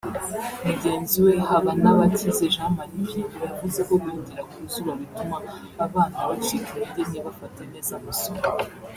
Mugenzi we Habanabakize Jean Marie Vianney yavuze ko kwigira ku zuba bituma abana bacika intege ntibafate neza amasomo